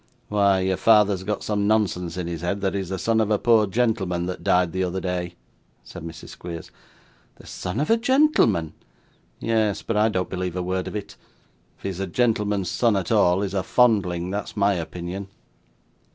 'Why, your father has got some nonsense in his head that he's the son of a poor gentleman that died the other day,' said Mrs. Squeers. 'The son of a gentleman!' 'Yes; but I don't believe a word of it. If he's a gentleman's son at all, he's a fondling, that's my opinion.